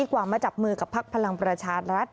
กว่ามาจับมือกับพักพลังประชารัฐ